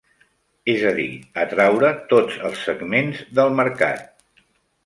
És a dir, atraure tots els segments del mercat.